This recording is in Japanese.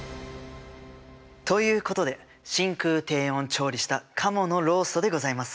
ということで真空低温調理したカモのローストでございます。